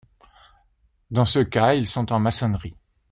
Dans ce cas, ils sont en maçonnerie.